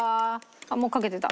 あっもうかけてた。